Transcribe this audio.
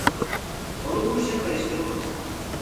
Onu bu işe karıştırma.